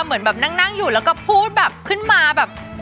เหมือนแบบนั่งอยู่แล้วก็พูดแบบขึ้นมาแบบ